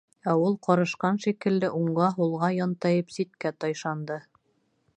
Ә ул, ҡарышҡан шикелле, уңға, һулға янтайып, ситкә тайшанды.